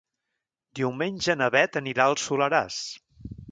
Diumenge na Beth anirà al Soleràs.